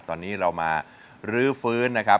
ตอนนี้เรามารื้อฟื้นนะครับ